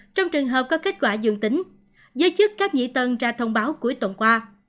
trong trường hợp có kết quả dương tính giới chức các nhĩ tân ra thông báo cuối tuần qua